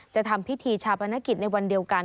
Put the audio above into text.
ทำพิธีชาปนกิจในวันเดียวกัน